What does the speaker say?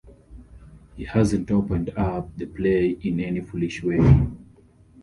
He hasn't opened up the play in any foolish way.